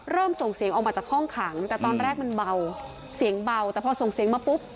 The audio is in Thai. ส่งเสียงออกมาจากห้องขังแต่ตอนแรกมันเบาเสียงเบาแต่พอส่งเสียงมาปุ๊บ